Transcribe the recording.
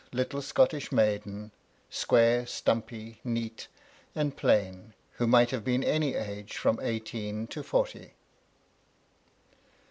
o Ettle Scottish maiden, square, stumpy, neat, and plain, who might have been any age from eighteen to forty.